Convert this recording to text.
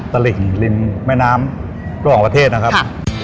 ตระหลิ่งรินแม่น้ำประเทศนะครับ